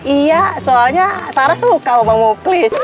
iya soalnya sarah suka sama muklis